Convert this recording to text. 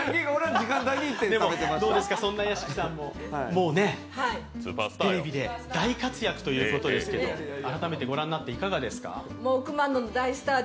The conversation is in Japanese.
そんな屋敷さんもテレビで大活躍ということですけど、改めてご覧になっていかがですか？